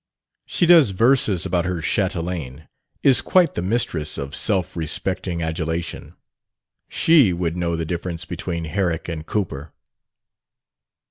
She does verses about her chatelaine is quite the mistress of self respecting adulation. She would know the difference between Herrick and Cowper!"...